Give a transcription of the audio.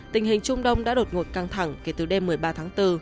tình hình trung đông đã đột ngột căng thẳng kể từ đêm một mươi ba tháng bốn